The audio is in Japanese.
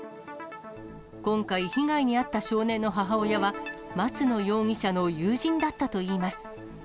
今回、被害に遭った少年の母親は、松野容疑者の友人だったといいます。